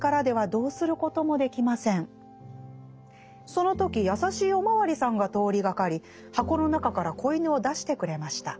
「その時やさしいおまわりさんが通りがかり箱の中から仔犬を出してくれました。